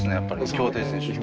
競艇選手。